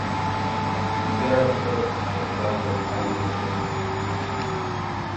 Thereafter the class was highly respected.